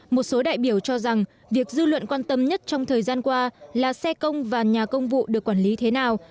một số đại biểu cho rằng việc dư luận quan tâm nhất trong thời gian qua là xe công và nhà công vụ được quản lý thế nào